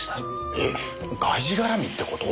えっ外事絡みって事？